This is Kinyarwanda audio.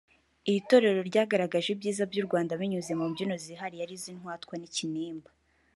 Iri torero ryagaragaje ibyiza by’u Rwanda binyuze mu mbyino zihariye arizo intwatwa n’ikinimba